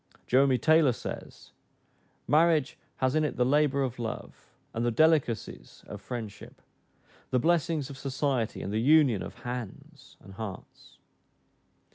Jeremy Taylor says, "Marriage hath in it the labor of love, and the delicacies of friendship; the blessings of society, and the union of hands and hearts."